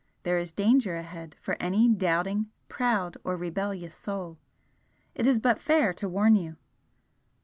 There is danger ahead for any doubting, proud, or rebellious soul, it is but fair to warn you!"